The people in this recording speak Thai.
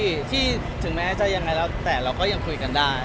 ก็รู้สึกโอเคที่ถึงแม้จะยังไงแล้วแต่เราก็ยังคุยกันได้